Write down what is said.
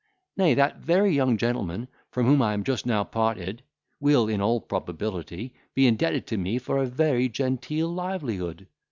—Nay, that very young gentleman, from whom I am just now parted, will, in all probability, be indebted to me for a very genteel livelihood.